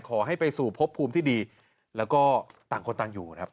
ขอให้ไปสู่พบภูมิที่ดีแล้วก็ต่างคนต่างอยู่นะครับ